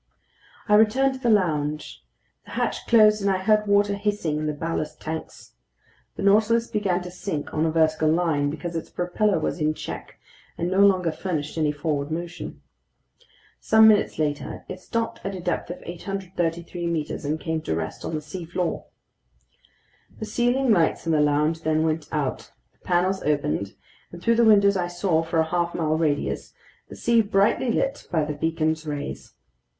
I returned to the lounge. The hatch closed, and I heard water hissing in the ballast tanks. The Nautilus began to sink on a vertical line, because its propeller was in check and no longer furnished any forward motion. Some minutes later it stopped at a depth of 833 meters and came to rest on the seafloor. The ceiling lights in the lounge then went out, the panels opened, and through the windows I saw, for a half mile radius, the sea brightly lit by the beacon's rays.